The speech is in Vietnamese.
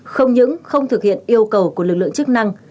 không những không thực hiện yêu cầu của lực lượng chức năng